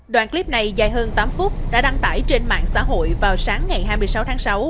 đoạn clip này dài hơn tám phút đã đăng tải trên mạng xã hội vào sáng ngày hai mươi sáu tháng sáu